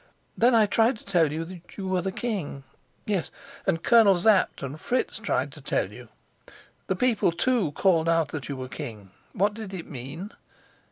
Then I tried to tell you that you were king yes, and Colonel Sapt and Fritz tried to tell you; the people, too, called out that you were king. What did it mean?